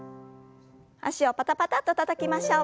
脚をパタパタッとたたきましょう。